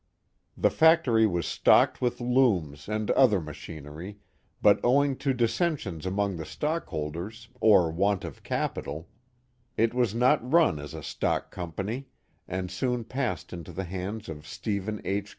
The factory was stocked with looms and other machinery, but owing to dissensions among the stock holders or want of capital, it was not run as a stock company, and soon passed into the hands of Stephen H.